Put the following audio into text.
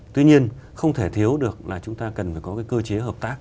tuy nhiên không thể thiếu được là chúng ta cần có cơ chế hợp tác